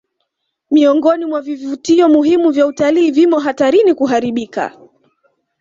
Miongoni mwa vivutio muhimu vya utalii vimo hatarini kuharibika